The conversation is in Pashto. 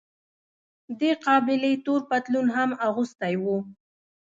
دې قابلې تور پتلون هم اغوستی و.